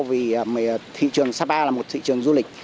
vì thị trường sapa là một thị trường du lịch